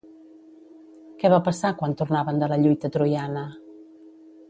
Què va passar quan tornaven de la lluita troiana?